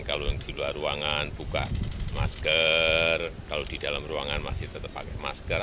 kalau yang di luar ruangan buka masker kalau di dalam ruangan masih tetap pakai masker